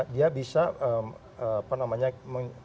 dia bisa apa namanya memberi kita industri